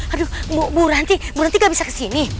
aduh bu ranti bu ranti gak bisa kesini